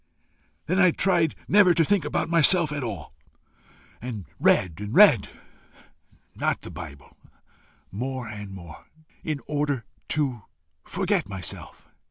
I then tried never to think about myself at all, and read and read not the bible more and more, in order to forget myself.